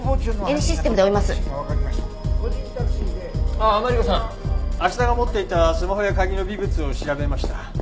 ああマリコさん芦田が持っていたスマホや鍵の微物を調べました。